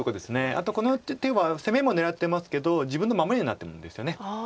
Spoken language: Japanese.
あとこの手は攻めも狙ってますけど自分の守りにもなってるんですよね。